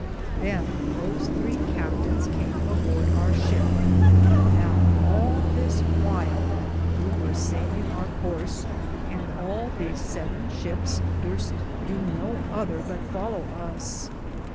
Than those thre captaines came a borde our shipe ; now all this whyle we weare saylinge our courc, and all these seven shipes durst do no other but follow us.